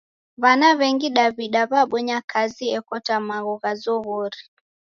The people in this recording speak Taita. W'ana w'engi Daw'ida w'abonya kazi ekota magho gha zoghori.